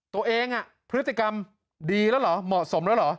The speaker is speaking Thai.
ตัวเองพฤติกรรมดีแล้วเหรอเหมาะสมแล้วเหรอ